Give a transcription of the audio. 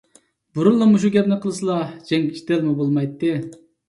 بۇرۇنلا مۇشۇ گەپنى قىلسىلا جەڭگى - جېدەلمۇ بولمايتتى.